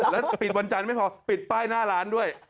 แล้วปิดวันจันทร์ไม่พอปิดป้ายหน้าร้านด้วย